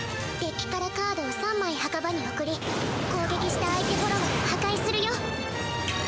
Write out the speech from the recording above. デッキからカードを３枚墓場に送り攻撃した相手フォロワーを破壊するよ。